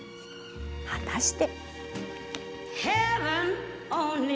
果たして。